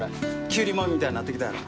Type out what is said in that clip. キュウリもみみたいになってきたやろ。